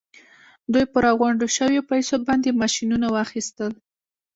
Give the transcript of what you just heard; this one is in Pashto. دوی په راغونډو شويو پیسو باندې ماشينونه واخيستل.